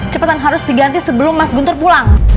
cepatan harus diganti sebelum mas guntur pulang